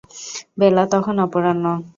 বেলা তখন অপরাহ্ন।